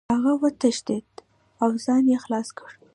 هغه وتښتېد او ځان یې خلاص کړ.